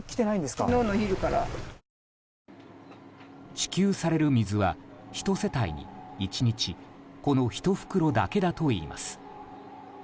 支給される水は１世帯に１日この１袋だけだといいます。